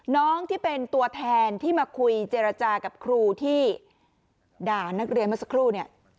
น้องที่เป็นตัวแทนที่มาคุยเจรจากับครูที่ด่านักเรียนเมื่อสักครู่เนี่ย